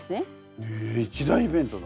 へえ一大イベントだ！